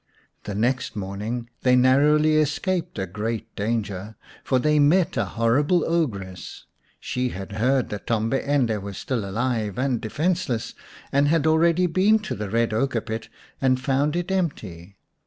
The next morn ing they narrowly escaped a great danger, for they met a horrible ogress. She had heard that Tombi ende was still alive and defenceless, and had already been to the red ochre pit and found it empty.